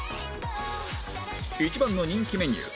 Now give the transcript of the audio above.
一番の人気メニュー